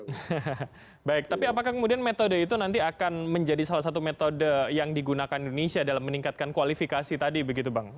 hahaha baik tapi apakah kemudian metode itu nanti akan menjadi salah satu metode yang digunakan indonesia dalam meningkatkan kualifikasi tadi begitu bang